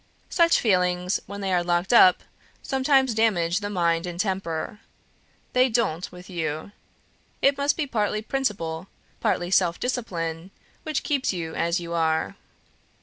Such feelings, when they are locked up, sometimes damage the mind and temper. They don't with you. It must be partly principle, partly self discipline, which keeps you as you are."